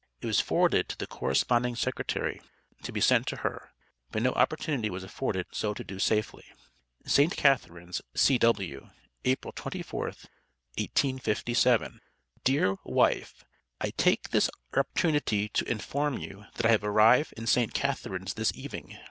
It was forwarded to the corresponding secretary, to be sent to her, but no opportunity was afforded so to do, safely. ST. CATHARINES, C.W., April 24, 1857. Dear Wife I take this opertunity to inform you that I have Arive in St Catharines this Eving.